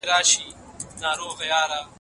جوړه کړې یې په چت کي ځالګۍ وه